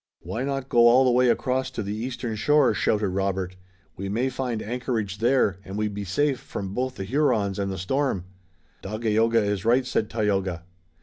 "Why not go all the way across to the eastern shore?" shouted Robert. "We may find anchorage there, and we'd be safe from both the Hurons and the storm!" "Dagaeoga is right," said Tayoga.